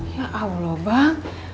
ya allah bang